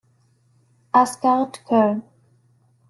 Asgard Köln.